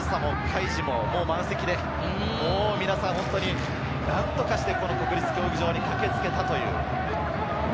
いじ」も満席で、皆さん本当に何とかして国立競技場に駆けつけました。